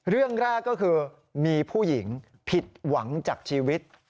เรื่องแรกก็คือมีผู้หญิงผิดหวังจากชีวิต